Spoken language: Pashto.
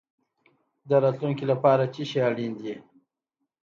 د راتلونکي لپاره څه شی اړین دی؟